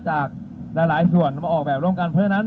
ก็วันนี้ที่เราแถลงนะครับเราตั้งใจจะเชิญชัวร์ร่านส่วนข้างบนที่นี่นะครับ